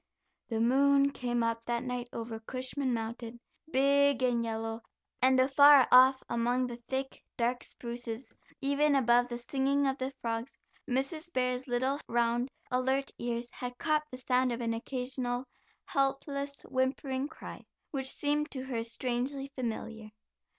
The moon came up that night over Cushman Mountain, big and yellow, and afar off among the thick, dark spruces, even above the singing of the frogs, Mrs. Bear's little round, alert ears had caught the sound of an occasional, helpless whimpering cry, which seemed to her strangely familiar.